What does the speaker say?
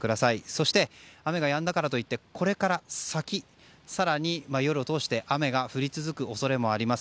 そして、雨がやんだからといってこれから先更に、夜を通して雨が降り続く恐れもあります。